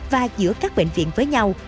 và giữa các bệnh viện với nhau